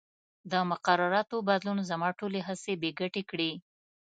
د مقرراتو بدلون زما ټولې هڅې بې ګټې کړې.